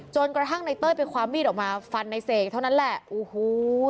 กระทั่งในเต้ยไปความมีดออกมาฟันในเสกเท่านั้นแหละโอ้โห